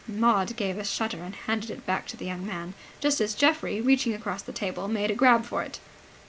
Maud gave a shudder and handed it back to the young man, just as Geoffrey, reaching across the table, made a grab for it.